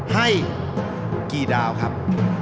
ให้กี่ดาวครับ